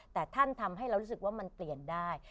แต่ท่านทำให้เรารู้สึกว่ามันเปลี่ยนได้